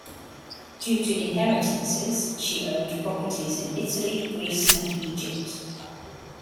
Due to inheritances, she owned properties in Italy, Greece and Egypt.